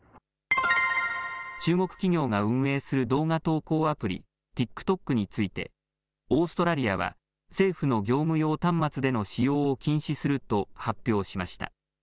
中国企業が運営する動画投稿アプリ、ＴｉｋＴｏｋについて、オーストラリアは、政府の業務用端末での使用を禁止すると発表しました。